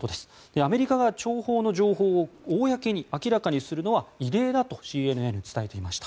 アメリカが諜報の情報を明らかにするのは異例だとＣＮＮは伝えていました。